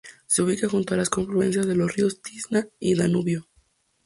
Se ubica junto a la confluencia de los ríos Tisza y Danubio.